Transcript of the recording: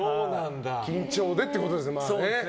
緊張でってことですね。